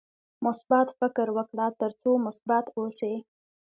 مثبت فکر وکړه ترڅو مثبت اوسې.